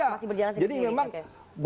masih berjalan sendiri sendiri